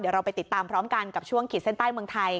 เดี๋ยวเราไปติดตามพร้อมกันกับช่วงขีดเส้นใต้เมืองไทย